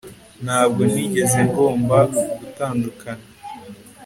Ntabwo nigeze ngomba gutandukana